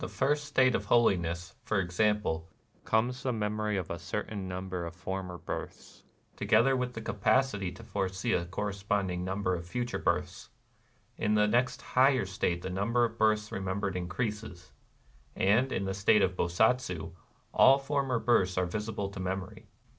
254 NIRVANA first state of holiness, for example, comes the memory of a certain nmnber of former births, together with the capacity to foresee a corre sponding number of future births ;— in the next higher state the number of births remem bered increases ;— and in the state of Bosatsu all former births are visible to memory.